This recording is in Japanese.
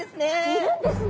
いるんですね。